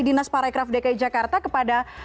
dinas parekraf dki jakarta kepada